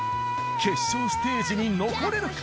決勝ステージに残れるか？